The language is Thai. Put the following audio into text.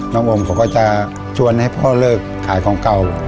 น้องโอมเขาก็จะชวนให้พ่อเลิกขายของเก่า